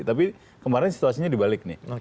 tapi kemarin situasinya dibalik